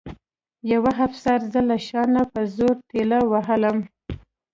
یوه افسر زه له شا نه په زور ټېل وهلم